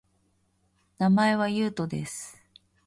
名前は、ゆうとです